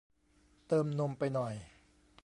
เติมนมไปหน่อย